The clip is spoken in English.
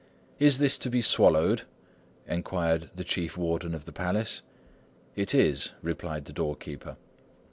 'Is this to be swallowed?' enquired the Chief Warden of the palace. 'It is,' replied the doorkeeper.